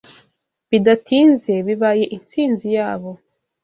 Bidatinze bibaye intsinzi yabo